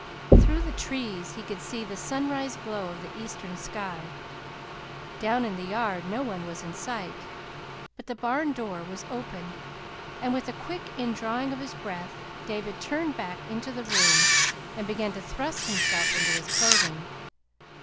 Through the trees he could see the sunrise glow of the eastern sky. Down in the yard no one was in sight; but the barn door was open, and, with a quick indrawing of his breath, David turned back into the room and began to thrust himself into his clothing.